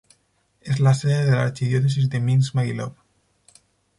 Es la sede de la archidiócesis de Minsk-Maguilov.